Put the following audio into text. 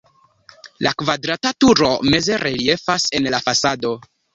La kvadrata turo meze reliefas en la fasado.